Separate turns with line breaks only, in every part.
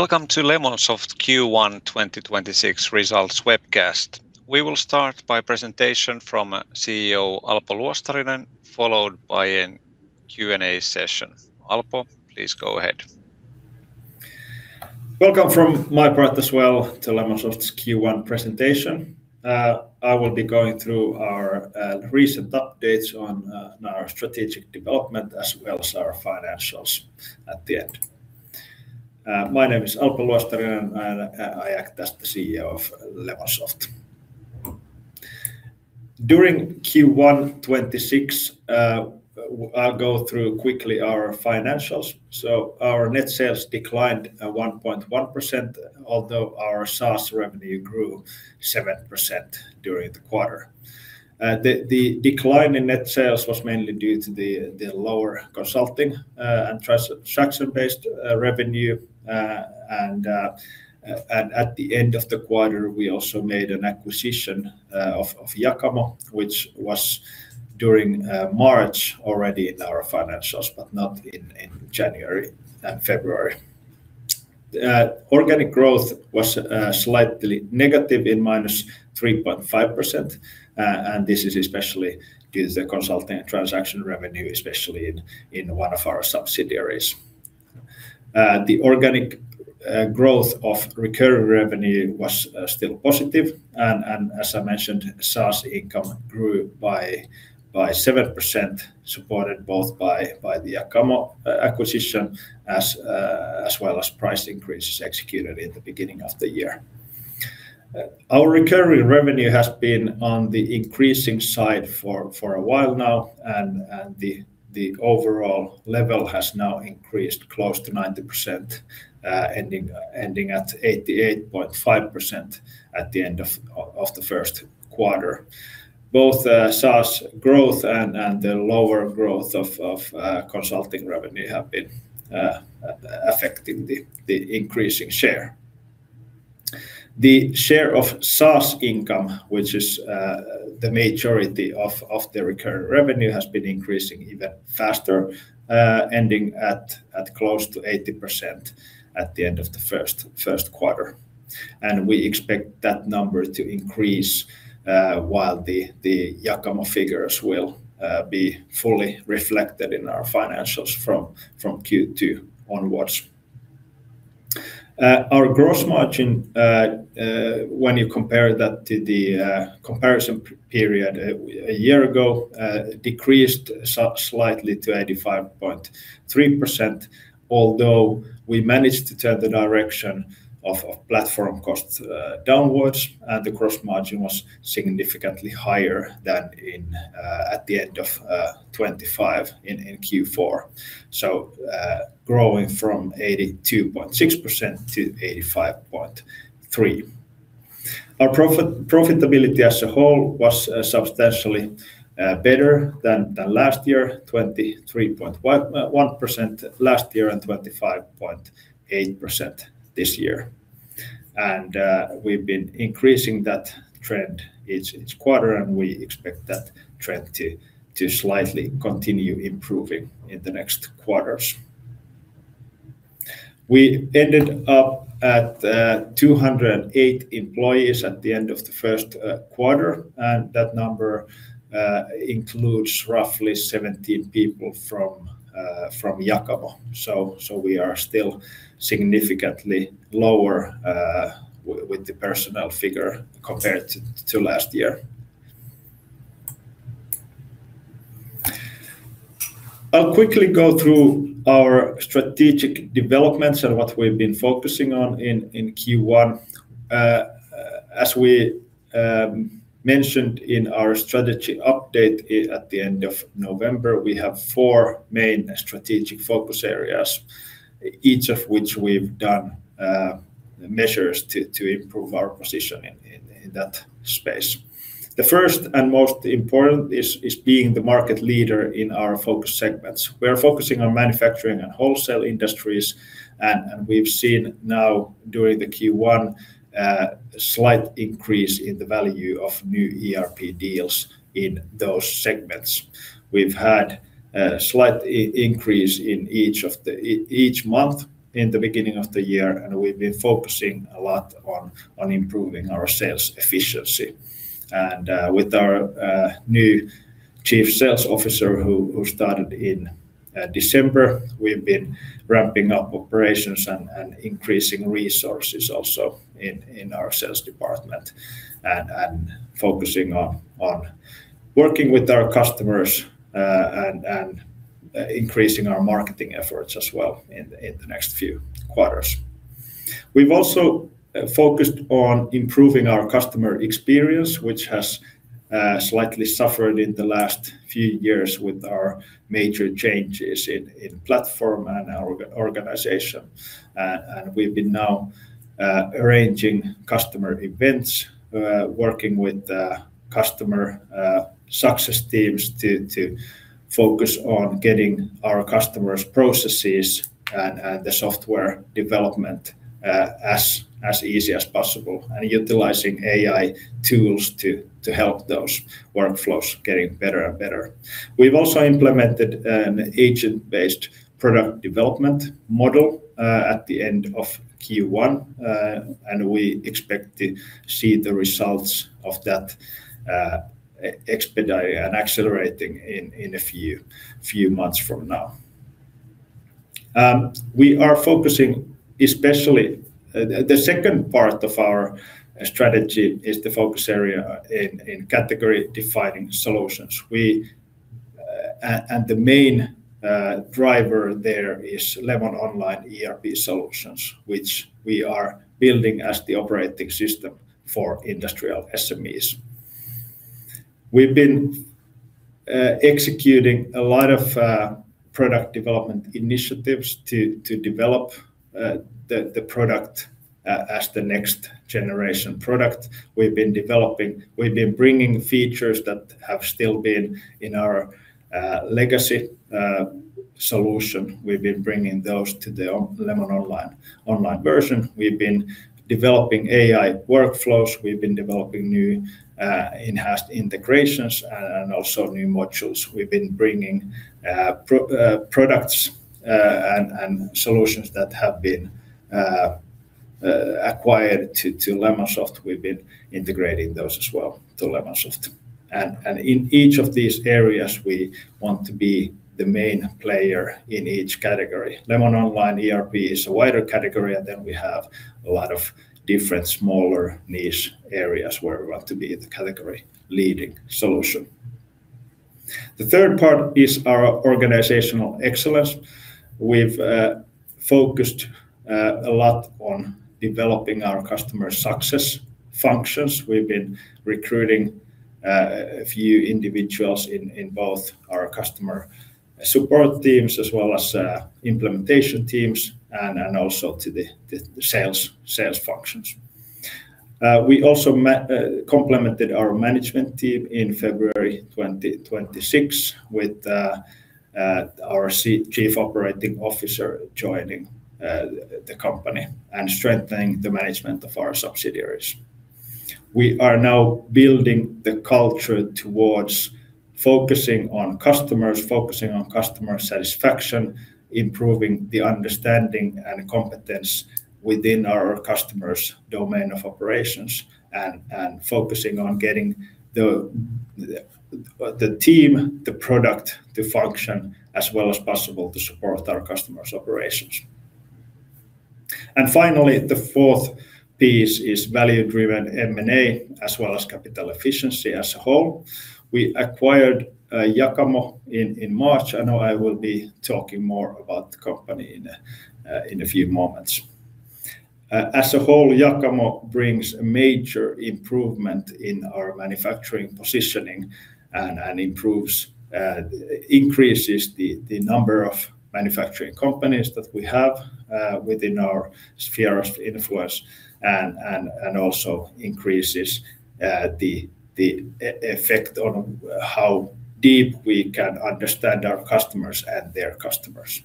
Welcome to Lemonsoft Q1 2026 results webcast. We will start by presentation from CEO Alpo Luostarinen, followed by an Q&A session. Alpo, please go ahead.
Welcome from my part as well to Lemonsoft's Q1 presentation. I will be going through our recent updates on our strategic development as well as our financials at the end. My name is Alpo Luostarinen, and I act as the CEO of Lemonsoft. During Q1 2026, I'll go through quickly our financials. Our net sales declined 1.1%, although our SaaS revenue grew 7% during the quarter. The decline in net sales was mainly due to the lower consulting and transaction-based revenue. At the end of the quarter, we also made an acquisition of Jakamo, which was during March already in our financials, but not in January and February. Organic growth was slightly negative in -3.5%. This is especially due to the consulting and transaction revenue, especially in one of our subsidiaries. The organic growth of recurring revenue was still positive. As I mentioned, SaaS income grew by 7%, supported both by the Jakamo acquisition as well as price increases executed at the beginning of the year. Our recurring revenue has been on the increasing side for a while now, and the overall level has now increased close to 90%, ending at 88.5% at the end of the first quarter. Both SaaS growth and the lower growth of consulting revenue have been affecting the increasing share. The share of SaaS income, which is the majority of the recurring revenue, has been increasing even faster, ending at close to 80% at the end of the first quarter, we expect that number to increase while the Jakamo figures will be fully reflected in our financials from Q2 onwards. Our gross margin, when you compare that to the comparison period a year ago, decreased so-slightly to 85.3%, although we managed to turn the direction of platform costs downwards, the gross margin was significantly higher than at the end of 2025 in Q4, growing from 82.6% to 85.3%. Our profitability as a whole was substantially better than last year, 23.1% last year 25.8% this year. We've been increasing that trend each quarter, and we expect that trend to slightly continue improving in the next quarters. We ended up at 208 employees at the end of the first quarter, and that number includes roughly 17 people from Jakamo. We are still significantly lower with the personnel figure compared to last year. I'll quickly go through our strategic developments and what we've been focusing on in Q1. As we mentioned in our strategy update at the end of November, we have four main strategic focus areas, each of which we've done measures to improve our position in that space. The first and most important is being the market leader in our focus segments. We're focusing on manufacturing and wholesale industries, and we've seen now during the Q1, slight increase in the value of new ERP deals in those segments. We've had a slight increase in each of the... each month in the beginning of the year, and we've been focusing a lot on improving our sales efficiency. With our new Chief Sales Officer who started in December, we've been ramping up operations and increasing resources also in our sales department and focusing on working with our customers and increasing our marketing efforts as well in the next few quarters. We've also focused on improving our customer experience, which has slightly suffered in the last few years with our major changes in platform and our organization. We've been now arranging customer events, working with customer success teams to focus on getting our customers' processes and the software development as easy as possible, and utilizing AI tools to help those workflows getting better and better. We've also implemented an agent-based product development model at the end of Q1, and we expect to see the results of that accelerating in a few months from now. We are focusing especially. The second part of our strategy is the focus area in category-defining solutions. The main driver there is Lemon Online ERP solutions, which we are building as the operating system for industrial SMEs. We've been executing a lot of product development initiatives to develop the product as the next generation product. We've been bringing features that have still been in our legacy solution. We've been bringing those to the Lemon Online online version. We've been developing AI workflows. We've been developing new enhanced integrations and also new modules. We've been bringing products and solutions that have been acquired to Lemonsoft. We've been integrating those as well to Lemonsoft. In each of these areas, we want to be the main player in each category. Lemon Online ERP is a wider category, and then we have a lot of different smaller niche areas where we want to be the category-leading solution. The third part is our organizational excellence. We've focused a lot on developing our customer success functions. We've been recruiting a few individuals in both our customer support teams as well as implementation teams and also to the sales functions. We also complemented our management team in February 2026 with our Chief Operating Officer joining the company and strengthening the management of our subsidiaries. We are now building the culture towards focusing on customers, focusing on customer satisfaction, improving the understanding and competence within our customers' domain of operations, and focusing on getting the team, the product to function as well as possible to support our customers' operations. Finally, the fourth piece is value-driven M&A, as well as capital efficiency as a whole. We acquired Jakamo in March. I know I will be talking more about the company in a few moments. As a whole, Jakamo brings a major improvement in our manufacturing positioning and improves increases the number of manufacturing companies that we have within our sphere of influence and also increases the effect on how deep we can understand our customers and their customers.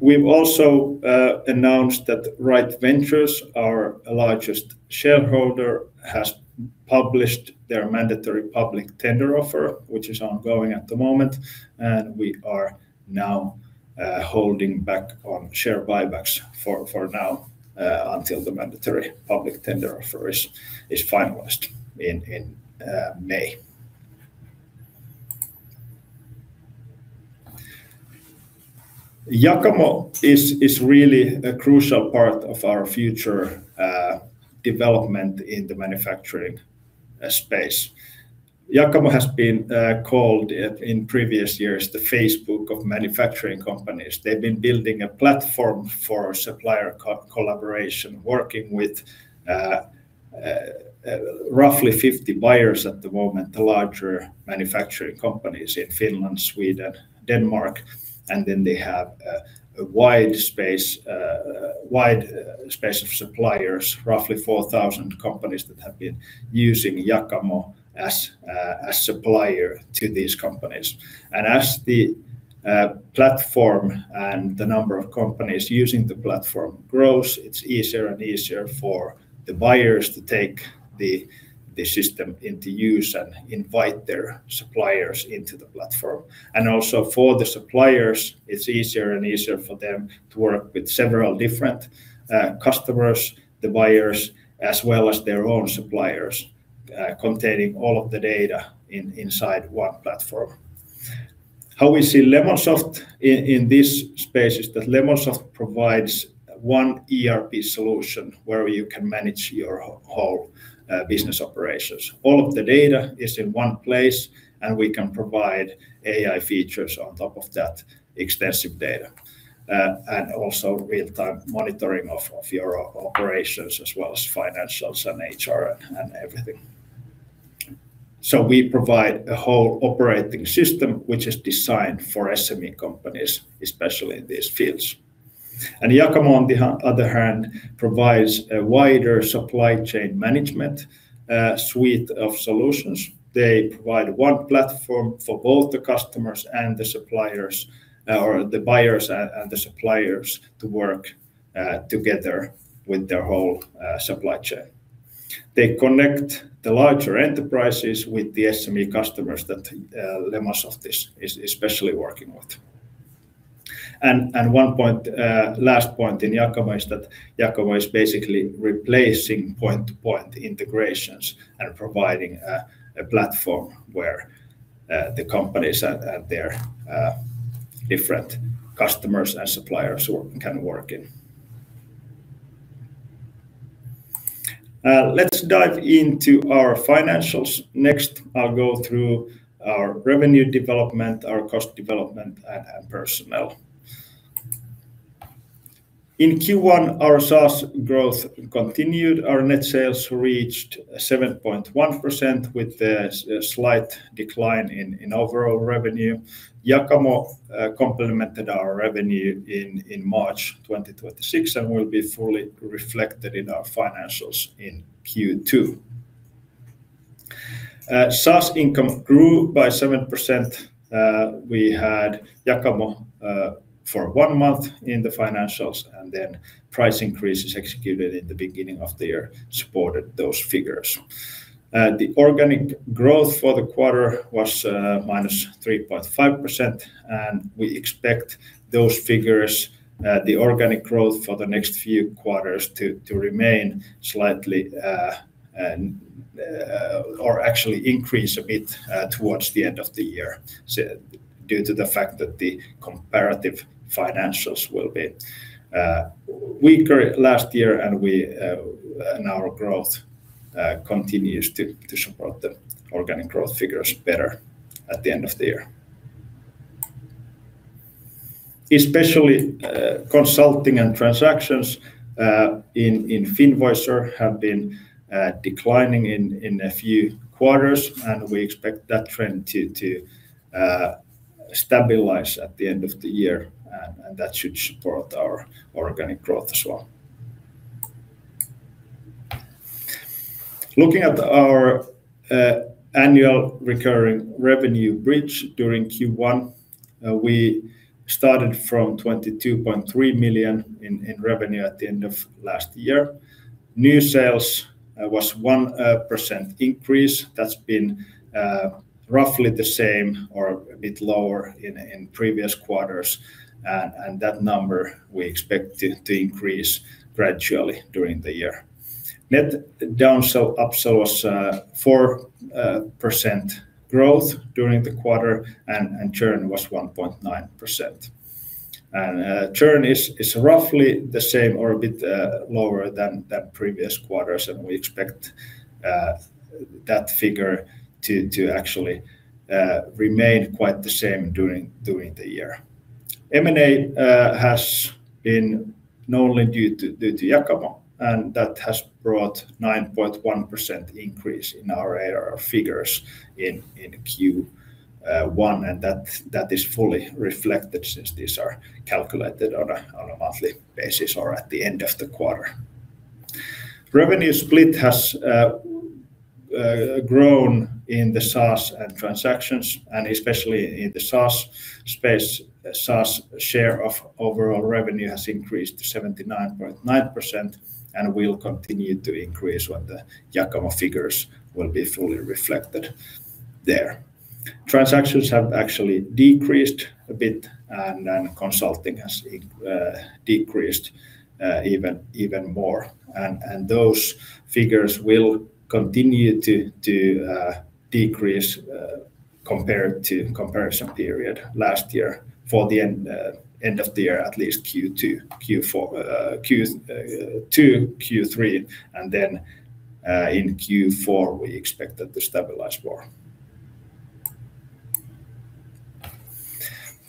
We've also announced that Rite Ventures, our largest shareholder, has published their mandatory public tender offer, which is ongoing at the moment, and we are now holding back on share buybacks for now until the mandatory public tender offer is finalized in May. Jakamo is really a crucial part of our future development in the manufacturing space. Jakamo has been called in previous years the Facebook of manufacturing companies. They've been building a platform for supplier co-collaboration, working with roughly 50 buyers at the moment, the larger manufacturing companies in Finland, Sweden, Denmark, and then they have a wide space of suppliers, roughly 4,000 companies that have been using Jakamo as supplier to these companies. As the platform and the number of companies using the platform grows, it's easier and easier for the buyers to take the system into use and invite their suppliers into the platform. Also for the suppliers, it's easier and easier for them to work with several different customers, the buyers, as well as their own suppliers, containing all of the data inside one platform. How we see Lemonsoft in this space is that Lemonsoft provides one ERP solution where you can manage your whole business operations. All of the data is in one place, and we can provide AI features on top of that extensive data, and also real-time monitoring of your operations as well as financials and HR and everything. We provide a whole operating system which is designed for SME companies, especially in these fields. Jakamo, on the other hand, provides a wider supply chain management suite of solutions. They provide one platform for both the customers and the suppliers, or the buyers and the suppliers to work together with their whole supply chain. They connect the larger enterprises with the SME customers that Lemonsoft is especially working with. One point, last point in Jakamo is that Jakamo is basically replacing point-to-point integrations and providing a platform where the companies and their different customers and suppliers can work in. Let's dive into our financials. Next, I'll go through our revenue development, our cost development, and personnel. In Q1, our SaaS growth continued. Our net sales reached 7.1% with a slight decline in overall revenue. Jakamo complemented our revenue in March 2026 and will be fully reflected in our financials in Q2. SaaS income grew by 7%. We had Jakamo for one month in the financials and then price increases executed at the beginning of the year supported those figures. The organic growth for the quarter was -3.5%. We expect those figures, the organic growth for the next few quarters to remain slightly and or actually increase a bit towards the end of the year due to the fact that the comparative financials will be weaker last year and we and our growth continues to support the organic growth figures better at the end of the year. Especially, consulting and transactions in Finvoicer have been declining in a few quarters and we expect that trend to stabilize at the end of the year. That should support our organic growth as well. Looking at our annual recurring revenue bridge during Q1, we started from 22.3 million in revenue at the end of last year. New sales was 1% increase. That's been roughly the same or a bit lower in previous quarters. That number we expect it to increase gradually during the year. Net downsell, upsell was 4% growth during the quarter. Churn was 1.9%. Churn is roughly the same or a bit lower than that previous quarters. We expect that figure to actually remain quite the same during the year. M&A has been knownly due to Jakamo. That has brought 9.1% increase in our ARR figures in Q1. That is fully reflected since these are calculated on a monthly basis or at the end of the quarter. Revenue split has grown in the SaaS and transactions, especially in the SaaS space. SaaS share of overall revenue has increased to 79.9% and will continue to increase when the Jakamo figures will be fully reflected there. Transactions have actually decreased a bit, consulting has decreased even more. Those figures will continue to decrease compared to comparison period last year for the end of the year, at least Q2, Q3, in Q4 we expect that to stabilize more.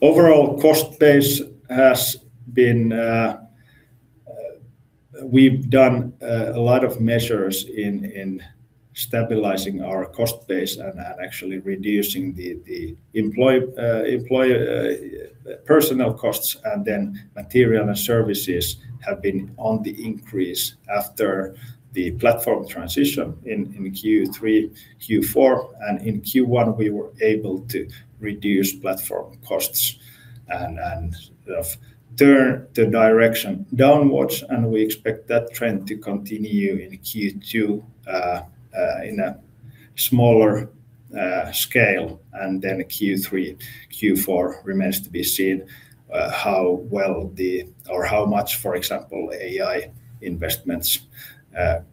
Overall cost base has been, we've done a lot of measures in stabilizing our cost base and actually reducing the employer personnel costs and then material and services have been on the increase after the platform transition in Q3, Q4. In Q1 we were able to reduce platform costs and sort of turn the direction downwards and we expect that trend to continue in Q2, in a smaller scale and then Q3, Q4 remains to be seen, how well the or how much, for example, AI investments,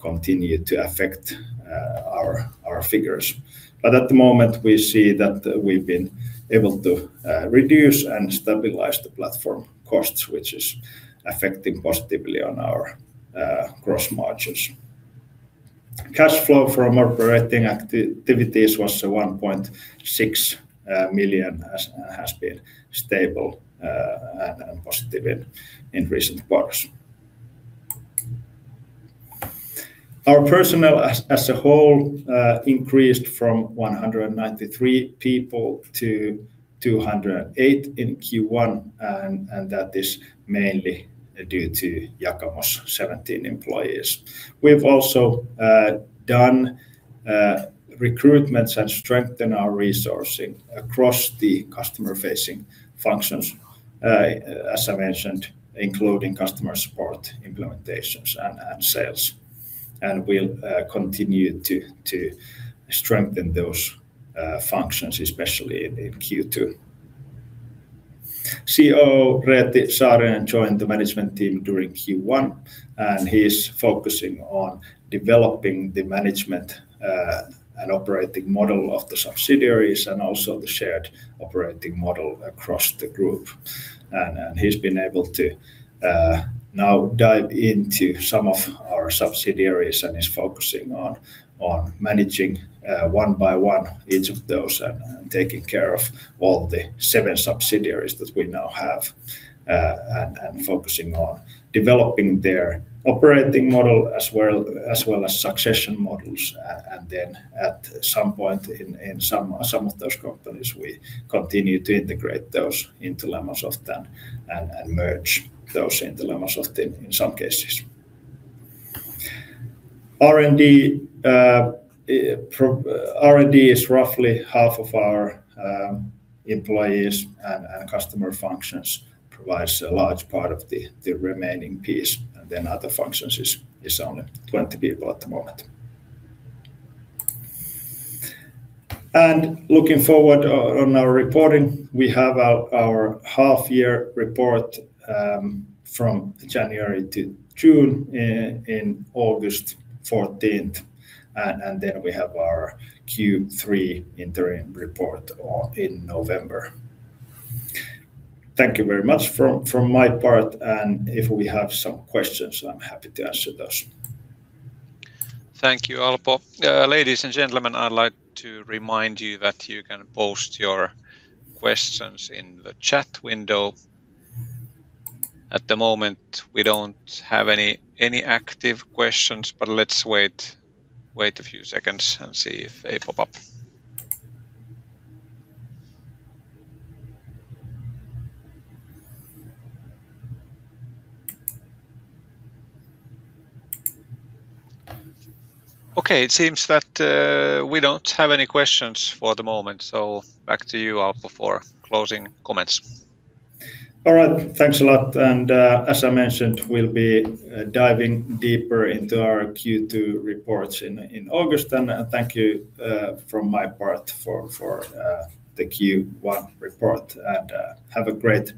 continue to affect, our figures. At the moment we see that we've been able to reduce and stabilize the platform costs which is affecting positively on our gross margins. Cash flow from our operating activities was 1.6 million has been stable and positive in recent quarters. Our personnel as a whole increased from 193 people to 208 people in Q1, that is mainly due to Jakamo's 17 employees. We've also done recruitments and strengthen our resourcing across the customer-facing functions, as I mentioned, including customer support implementations and sales. We'll continue to strengthen those functions, especially in Q2. COO Reeti Saarinen joined the management team during Q1, and he's focusing on developing the management and operating model of the subsidiaries and also the shared operating model across the group. He's been able to now dive into some of our subsidiaries and is focusing on managing one by one each of those and taking care of all the seven subsidiaries that we now have and focusing on developing their operating model as well, as well as succession models. At some point in some of those companies, we continue to integrate those into Lemonsoft and merge those into Lemonsoft in some cases. R&D is roughly half of our employees and customer functions, provides a large part of the remaining piece, and then other functions is only 20 people at the moment. Looking forward on our reporting, we have our half-year report from January to June in August 14th, and then we have our Q3 interim report in November. Thank you very much from my part. If we have some questions, I'm happy to answer those.
Thank you, Alpo. Ladies and gentlemen, I'd like to remind you that you can post your questions in the chat window. At the moment, we don't have any active questions, but let's wait a few seconds and see if they pop up. It seems that we don't have any questions for the moment, so back to you, Alpo, for closing comments.
All right. Thanks a lot. As I mentioned, we'll be diving deeper into our Q2 reports in August. Thank you from my part for the Q1 report.